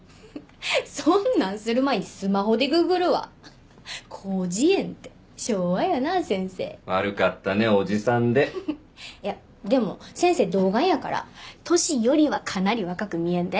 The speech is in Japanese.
そんなんする前にスマホでググるわ広辞苑って昭和やな先生悪かったねおじさんでいやでも先生童顔やから年よりはかなり若く見えんで